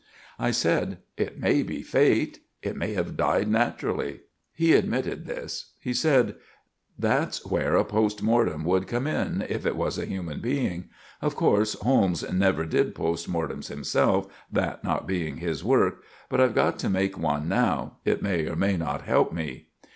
I said, "It may be Fate. It may have died naturally." He admitted this. He said, "That's where a post mortem would come in, if it was a human being. Of course, Holmes never did post mortems himself, that not being his work; but I've got to make one now. It may or may not help me."